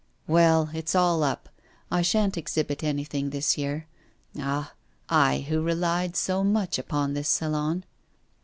'Well, it's all up. I sha'n't exhibit anything this year. Ah! I who relied so much upon this Salon!